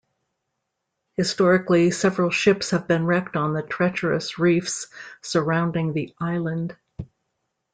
Historically, several ships have been wrecked on the treacherous reefs surrounding the island.